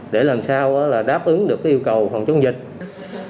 để làm sao đáp ứng được yêu cầu phòng chống dịch covid một mươi chín